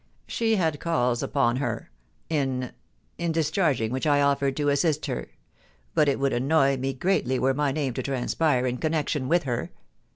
She had calls upon her ^in — in discharging which I offered to assist her ; but it would annoy me greatly were my name to transpire in connection with her.